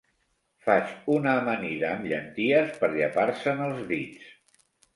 Faig una amanida amb llenties per llepar-se'n els dits.